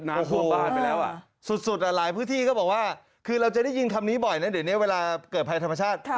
ทั่วบ้านไปแล้วสุดหลายพื้นที่ก็บอกว่าคือเราจะได้ยินคำนี้บ่อยนะเดี๋ยวนี้เวลาเกิดภัยธรรมชาติ